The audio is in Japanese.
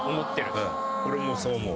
俺もそう思う。